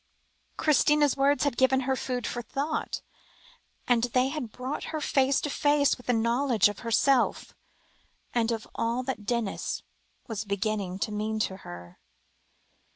Christina's words had given her food for thought, and they had also brought her face to face with the knowledge of herself, and of all that Denis was beginning to mean to her.